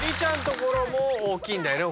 ところも大きいんだよね？